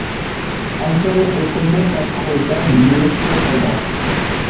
ئەمسە. مەن ئېتىمنى تاغقا قويسام، يۈرۈپتۇ سايدا.